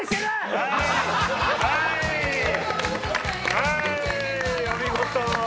はいお見事！